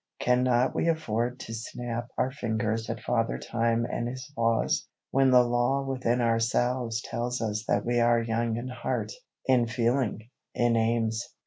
Can not we afford to snap our fingers at Father Time and his laws, when the law within ourselves tells us that we are young in heart, in feeling, in aims?